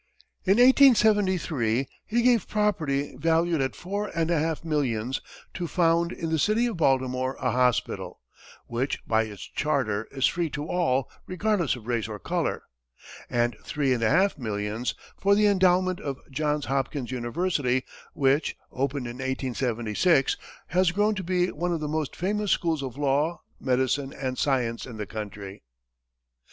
In 1873, he gave property valued at four and a half millions to found in the city of Baltimore a hospital, which, by its charter, is free to all, regardless of race or color; and three and a half millions for the endowment of Johns Hopkins University, which, opened in 1876, has grown to be one of the most famous schools of law, medicine and science in the country.